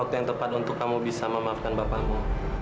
lalu apa yang tepat untuk kamu bisa memaafkan bapakmu